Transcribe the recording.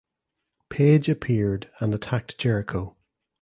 Page appeared and attacked Jericho.